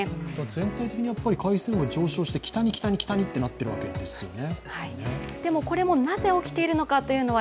全体的に海水温が上昇して、北に北にということになっているわけですよね。